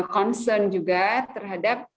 concern juga terhadap